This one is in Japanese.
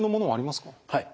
はい。